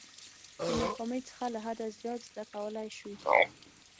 د ناکامۍ څخه له حده زیات زده کولای شو.